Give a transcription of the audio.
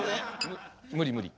無理無理。